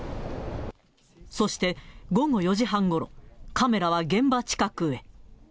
そして午後４時半ごろ、カメラは現場近くへ。